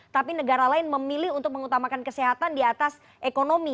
tapi negara lain memilih untuk mengutamakan kesehatan di atas ekonomi